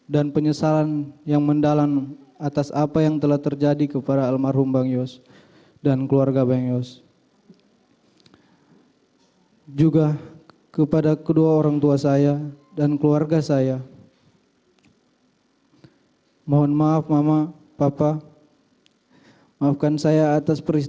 dan penyesalan yang mendalam atas apa yang telah terjadi kepada almarhum bang yos dan keluarga bang yos